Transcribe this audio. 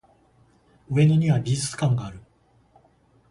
上野には美術館がある